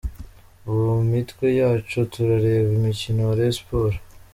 Ubu mu mitwe yacu turareba umukino wa Rayon Sport.